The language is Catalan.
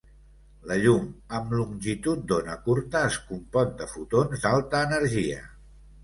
La llum amb longitud d'ona curta es compon de fotons d'alta energia.